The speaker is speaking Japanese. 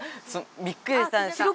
びっくりしたんです！